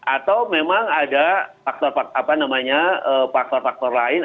atau memang ada faktor faktor lain